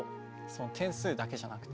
点数だけじゃなくて。